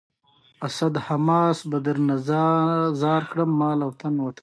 دا بکټریاوې هایپر ترموفیلیک بکټریاوې نومېږي.